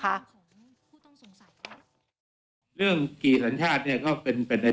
ค่ะของผู้ต้องสงสัยค่ะเรื่องกี่สัญชาติเนี่ยก็เป็นเป็นใน